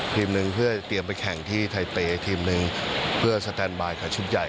ทีมหนึ่งเพื่อเตรียมไปแข่งที่ไทเปย์ทีมหนึ่งเพื่อสแตนบายกับชุดใหญ่